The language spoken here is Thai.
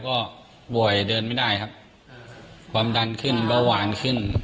ก็บ่อยเดินไม่ได้ครับความดันขึ้นเบาหวานขึ้น